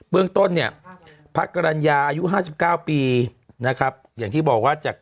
เรื่องต้นเนี่ยพระกรรณญาอายุ๕๙ปีนะครับอย่างที่บอกว่าจาก